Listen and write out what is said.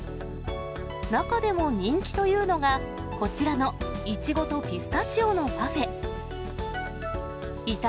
中でも人気というのが、こちらのイチゴとピスタチオのパフェ。